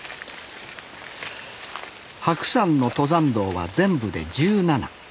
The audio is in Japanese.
白山の登山道は全部で１７。